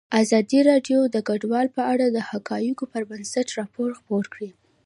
ازادي راډیو د کډوال په اړه د حقایقو پر بنسټ راپور خپور کړی.